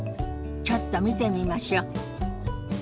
ちょっと見てみましょ。